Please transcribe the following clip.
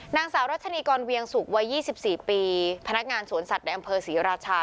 นางสาวรัชนีกรเวียงสุกวัย๒๔ปีพนักงานสวนสัตว์ในอำเภอศรีราชา